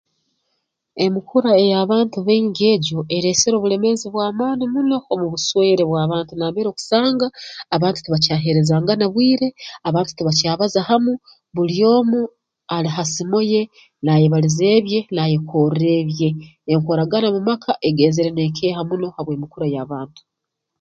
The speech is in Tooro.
Emikura ey'abantu baingi egyo ereesere obulemeezi bw'amaani muno omu buswere bw'abantu nambere okusanga abantu tibakyaheerezangana bwire abantu tibakyabaza hamu buli omu ali ha simo ye nayebaliza ebye n'ayekorre ebye enkoragana mu maka egenzere neekeha muno habw'emikura y'abantu